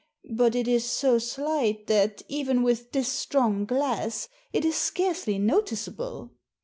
But it is so slight that, even with this strong glass, it is scarcely noticeable."